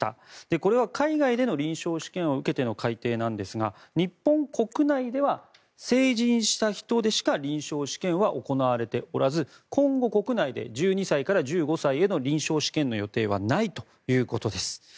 これは海外での臨床試験を受けての改訂なんですが日本国内では成人した人でしか臨床試験は行われておらず今後、国内で１２歳から１５歳への臨床試験の予定はないということです。